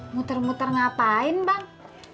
muter muter ngapain bang